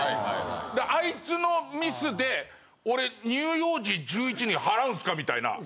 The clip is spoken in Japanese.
あいつのミスで俺乳幼児１１人払うんすかみたいな。